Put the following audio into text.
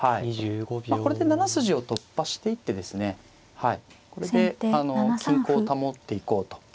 これで７筋を突破していってですねこれで均衡を保っていこうと。